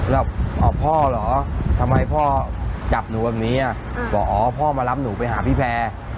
แล้วอ๋อพ่อเหรอทำไมพ่อจับหนูแบบนี้บอกอ๋อพ่อมารับหนูไปหาพี่แพร่